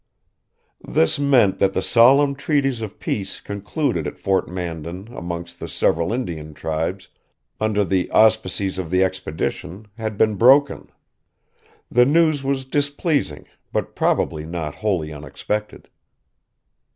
This meant that the solemn treaties of peace concluded at Fort Mandan amongst the several Indian tribes, under the auspices of the expedition, had been broken. The news was displeasing, but probably not wholly unexpected.